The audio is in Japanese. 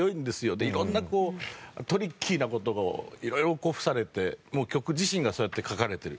で色んなトリッキーな事を色々こう付されてもう曲自身がそうやって書かれてる。